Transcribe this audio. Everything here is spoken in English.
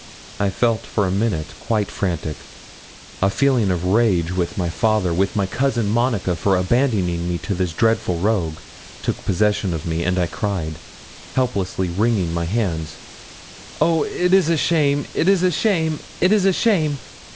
I felt for a minute quite frantic. A feeling of rage with my father, with my Cousin Monica, for abandoning me to this dreadful rogue, took possession of me, and I cried, helplessly wringing my hands 'Oh! it is a shame it is a shame it is a shame!'